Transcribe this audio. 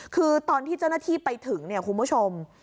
คือตอนที่เจ้าหน้าที่ไปถึงเนี่ยคุณผู้ชม